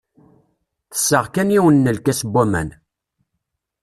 Tesseɣ kan yiwen n lkas n waman.